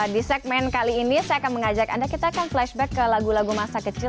di segmen kali ini saya akan mengajak anda kita akan flashback ke lagu lagu masa kecil